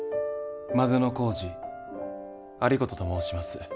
万里小路有功と申します。